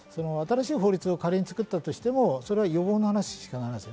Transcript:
新しい法律を仮に作ったとしても予防の話しかならないです。